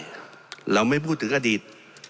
เราไม่พูดถึงอดีต